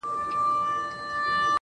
سم پسرلى ترې جوړ سي.